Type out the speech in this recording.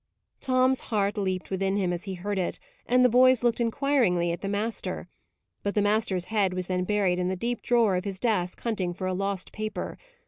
Tom's heart leaped within him as he heard it, and the boys looked inquiringly at the master. But the master's head was then buried in the deep drawer of his desk, hunting for a lost paper.